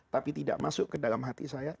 tapi tidak masuk ke dalam hati saya